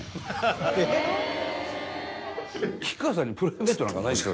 吉川さんにプライベートなんかないんですよ